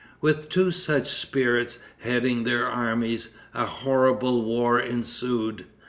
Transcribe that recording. With two such spirits heading their armies, a horrible war ensued.